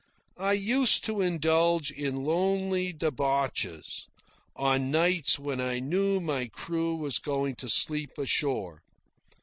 I used to indulge in lonely debauches, on nights when I knew my crew was going to sleep ashore.